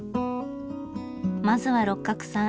まずは六角さん